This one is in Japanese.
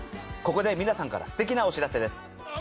ここで皆さんから素敵なお知らせです。